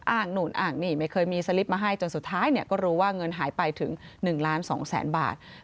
นู่นอ้างนี่ไม่เคยมีสลิปมาให้จนสุดท้ายก็รู้ว่าเงินหายไปถึง๑ล้าน๒แสนบาท